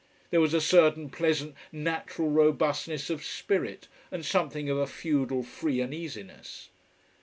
There was a certain pleasant, natural robustness of spirit, and something of a feudal free and easiness.